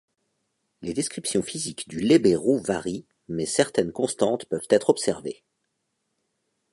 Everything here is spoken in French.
Les descriptions physiques du lébérou varient, mais certaines constantes peuvent être observées.